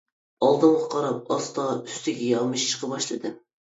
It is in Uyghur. ئالدىمغا قاراپ ئاستا ئۈستىگە يامىشىشقا باشلىدىم.